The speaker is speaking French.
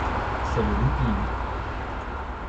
C'est le looping.